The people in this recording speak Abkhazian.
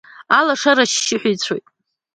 Алашара ашьшьыҳәа ицәоит.